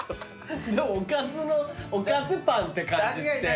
でもおかずのおかずパンって感じして。